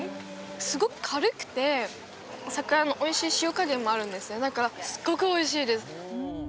すごく軽くてお魚のおいしい塩加減もあるんですよだからすっごくおいしいです